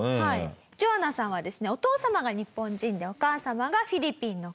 ジョアナさんはですねお父様が日本人でお母様がフィリピンの方。